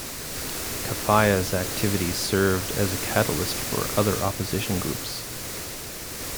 Kefaya's activities served as a catalyst for other opposition groups.